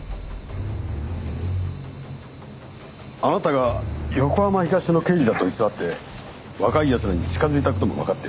あなたが横浜東署の刑事だと偽って若い奴らに近づいた事もわかっています。